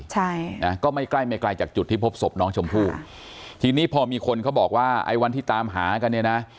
ใช่นะก็ไม่ใกล้ไม่ไกลจากจุดที่พบศพน้องชมพู่ทีนี้พอมีคนเขาบอกว่าไอ้วันที่ตามหากันเนี่ยนะ